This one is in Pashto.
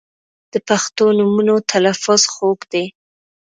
• د پښتو نومونو تلفظ خوږ دی.